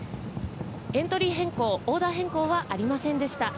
エントリー変更、オーダー変更はありませんでした。